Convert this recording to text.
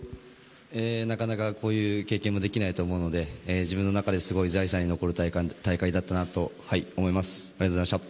なかなか、こういう経験もできないと思うので自分の中で、すごい財産に残る大会だったと思います。